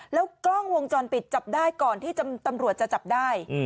แล้วกล้องวงจรปิดจับได้ก่อนที่ตำรวจจะจับได้